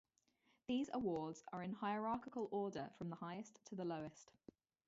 These awards are in hierarchical order from the highest to the lowest.